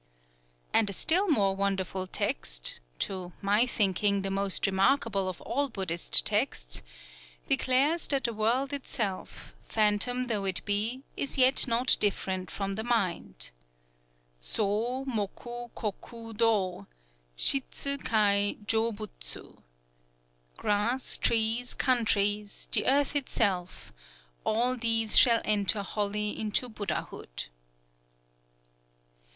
_" And a still more wonderful text (to my thinking, the most remarkable of all Buddhist texts) declares that the world itself, phantom though it be, is yet not different from Mind: SŌ MOKU KOKU DŌ SHITSU KAI JŌ BUTSU. "_Grass, trees, countries, the earth itself, all these shall enter wholly into Buddhahood.